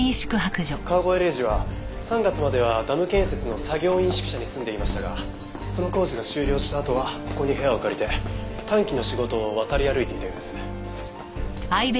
川越礼司は３月まではダム建設の作業員宿舎に住んでいましたがその工事が終了したあとはここに部屋を借りて短期の仕事を渡り歩いていたようです。